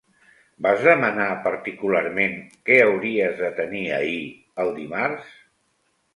Vas demanar particularment que hauries de tenir ahir, el dimarts?